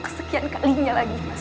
kesekian kalinya lagi mas